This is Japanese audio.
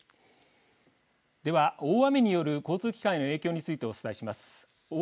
では大雨による交通機関への影響についてお伝えします。